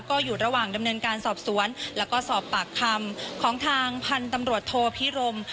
ก็อยู่ระหว่างดำเนินการสอบสวนแล้วก็สอบปากคำของทางพันธุ์ตำรวจโทพิรม